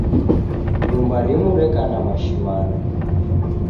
Nyumba rimu reka na mashimandu.